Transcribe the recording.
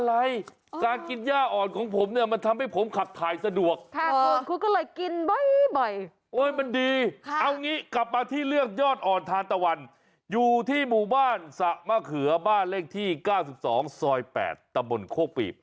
เอางี้กลับมาที่เลือกยอดอ่อนทานตะวันอยู่ที่หมู่บ้านสะมะเขือบ้านเลขที่๙๒ซอย๘ตะบนโคกปีบ